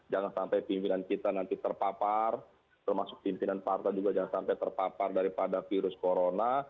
jangan sampai pimpinan kita nanti terpapar termasuk pimpinan partai juga jangan sampai terpapar daripada virus corona